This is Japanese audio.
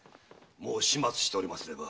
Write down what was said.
もう始末しておりますれば。